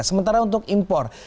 sementara untuk impor